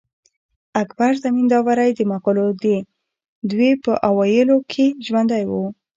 اکبر زمینداوری د مغلو د دوې په اوایلو کښي ژوندی وو.